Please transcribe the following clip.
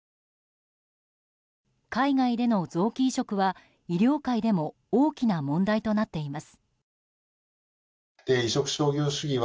海外での臓器移植は、医療界でも大きな問題となっています。